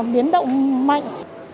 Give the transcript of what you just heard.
biến động mạnh